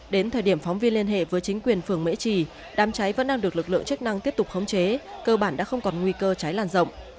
đến thời điểm phóng viên liên hệ với chính quyền phường mễ trì đám cháy vẫn đang được lực lượng chức năng tiếp tục khống chế cơ bản đã không còn nguy cơ cháy làn rộng